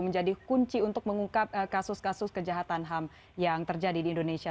menjadi kunci untuk mengungkap kasus kasus kejahatan ham yang terjadi di indonesia